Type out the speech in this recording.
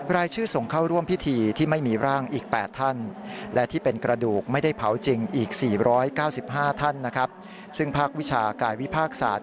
และมีอีก๔๙๕ท่านนะครับซึ่งภาควิชากายวิพากษาธิ์